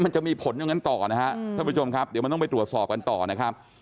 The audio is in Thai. มันจะมีผลอย่างนั้นต่อนะฮะท่านผู้ชมครับเดี๋ยวมันต้องไปตรวจสอบกันต่อนะครับ